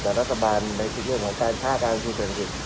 แต่รัฐบาลในการช่วยการสูตรลนิจ